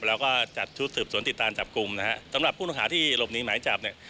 แล้วก็จัดชุดสืบสวนติดตามจับกลุ่มนะฮะสำหรับผู้ต้องหาที่หลบหนีหมายจับเนี่ย